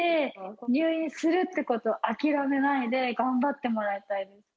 入院するってことを諦めないで、頑張ってもらいたいです。